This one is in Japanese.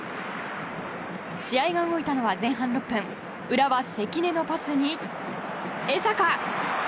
試合が動いたのは前半６分宇原、関根のパスに江坂！